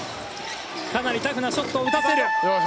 かなりタフなショットを打たせる。